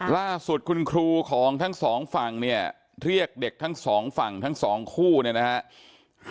ล่าสุดคุณครูของทั้งสองฝั่งเนี่ยเรียกเด็กทั้งสองฝั่งทั้งสองคู่เนี่ยนะฮะ